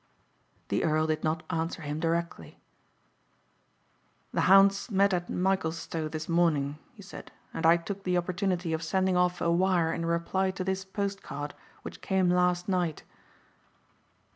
The earl did not answer him directly. "The hounds met at Michaelstowe this morning," he said, "and I took the opportunity of sending off a wire in reply to this post card which came last night."